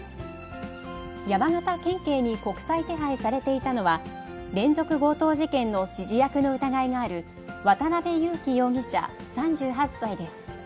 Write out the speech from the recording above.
山形県警に国際手配されていたのは、連続強盗事件の指示役の疑いがある渡辺優樹容疑者３８歳です。